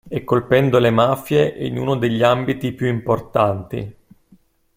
E colpendo le mafie in uno degli ambiti più importanti.